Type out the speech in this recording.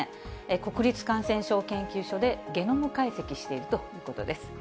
国立感染症研究所でゲノム解析しているということです。